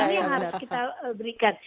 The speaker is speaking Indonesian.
ini yang harus kita berikan